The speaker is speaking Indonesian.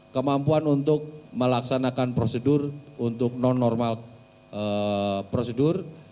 kemampuan untuk melaksanakan prosedur untuk non normal prosedur